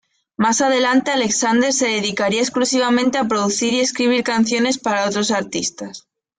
Más adelante, Alexander se dedicaría exclusivamente a producir y escribir canciones para otros artistas.